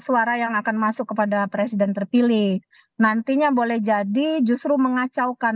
suara yang akan masuk kepada presiden terpilih nantinya boleh jadi justru mengacaukan